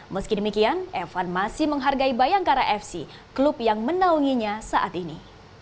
meski demikian evan masih menghargai bayangkara fc klub yang menaunginya saat ini